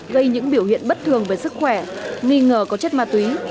gây những biểu hiện bất thường về sức khỏe nghi ngờ có chất ma túy